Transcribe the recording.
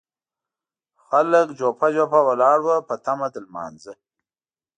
خلک جوپه جوپه ولاړ وو په تمه د لمانځه.